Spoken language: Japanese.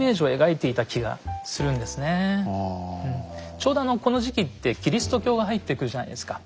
ちょうどこの時期ってキリスト教が入ってくるじゃないですか。